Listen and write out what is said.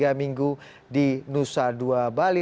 tiga minggu di nusa dua bali